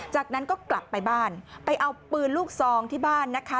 จากนั้นก็กลับไปบ้านไปเอาปืนลูกซองที่บ้านนะคะ